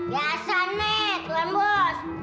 biasa nek tuan bos